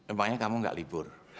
emangnya kamu gak libur